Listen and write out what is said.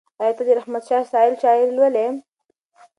ایا ته د رحمت شاه سایل شاعري لولې؟